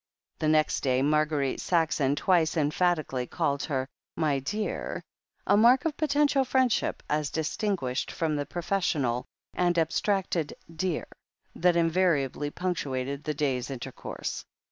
The next day Marguerite Saxon twice emphatically called her "my dear" — a mark of potential friendship as distinguished from the professional and abstracted "dear," that invariably punctuated the day's inter course.